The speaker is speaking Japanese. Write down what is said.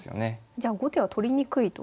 じゃあ後手は取りにくいと。